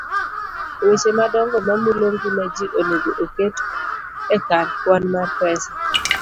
Weche madongo mamulo ngima ji onego oket e kar kwan mar pesa